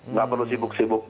nggak perlu sibuk sibuk